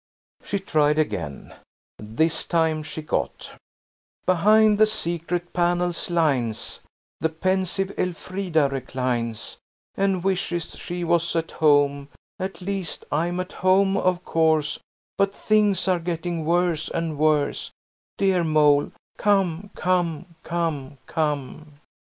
She tried again. This time she got– "'Behind the secret panel's lines The pensive Elfrida reclines And wishes she was at home. At least I am at home, of course, But things are getting worse and worse. Dear Mole, come, come, come, come!'"